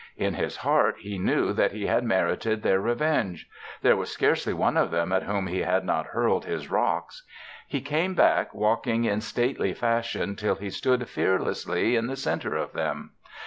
In his heart he knew that he had merited their revenge there was scarcely one of them at whom he had not hurled his rocks. He came back walking in stately fashion till he stood fearlessly in the centre of them.